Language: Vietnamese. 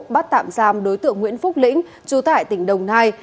bắt tạm giam đối tượng nguyễn phúc lĩnh chú tại tỉnh đồng nai